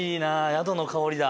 宿の香りだ。